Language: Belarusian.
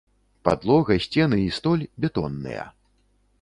Падлога, сцены і столь бетонныя.